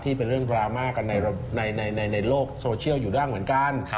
เป็นเรื่องดราม่ากันในโลกโซเชียลอยู่บ้างเหมือนกัน